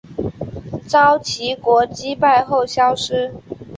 遭齐国击败后消失。